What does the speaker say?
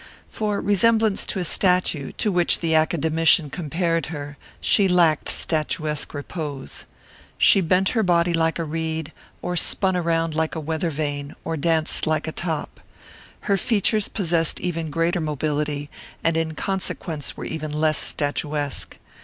For resemblance to a statue, to which the Academician compared her, she lacked statuesque repose. She bent her body like a reed, or spun around like a weather vane, or danced like a top. Her features possessed even greater mobility, and in consequence were even less statuesque.